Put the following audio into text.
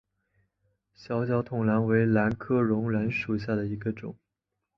小脚筒兰为兰科绒兰属下的一个种。